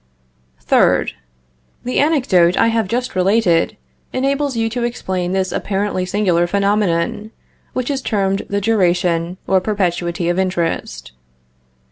3rd. The anecdote I have just related enables you to explain this apparently singular phenomenon, which is termed the duration or perpetuity of interest.